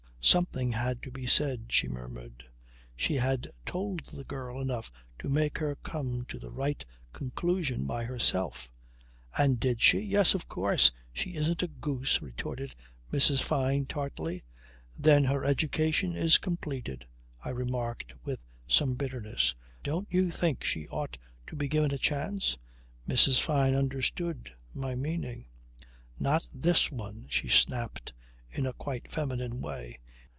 Something had to be said, she murmured. She had told the girl enough to make her come to the right conclusion by herself. "And she did?" "Yes. Of course. She isn't a goose," retorted Mrs. Fyne tartly. "Then her education is completed," I remarked with some bitterness. "Don't you think she ought to be given a chance?" Mrs. Fyne understood my meaning. "Not this one," she snapped in a quite feminine way.